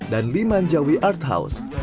dan liman jawi art house